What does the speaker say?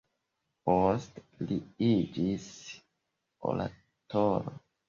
Poste li iĝis oratoro.